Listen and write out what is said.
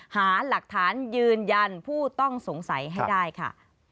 หาหลักฐานยืนยันผู้ต้องสงสัยให้ได้ค่ะ